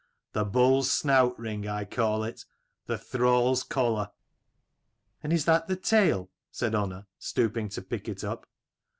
" The bull's snout ring, I call it : the thrall's collar." "And is that the tale?" said Unna, stooping to pick it up.